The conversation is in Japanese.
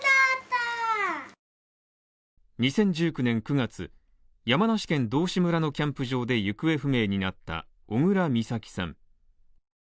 ２０１９年９月、山梨県道志村のキャンプ場で行方不明になった小倉美咲さん。